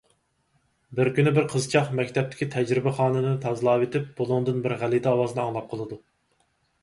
بىر كۈنى بىر قىزچاق مەكتەپتىكى تەجرىبىخانىنى تازىلاۋېتىپ بۇلۇڭدىن بىر غەلىتە ئاۋازنى ئاڭلاپ قالىدۇ.